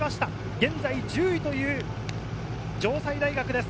現在１０位、城西大学です。